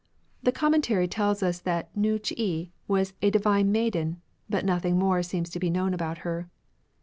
" The Com mentary tells us that Nii ch'i was "a divine maiden," but nothing more seems to be known about her.